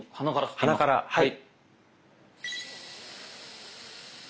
鼻からはい。